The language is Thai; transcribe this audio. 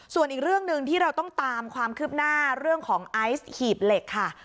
ส่วนอีกเรื่องหนึ่งที่เราต้องตามความคืบหน้าเรื่องของไอซ์หีบเหล็กค่ะ